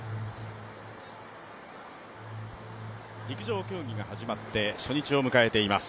陸上競技が始まって初日を迎えています。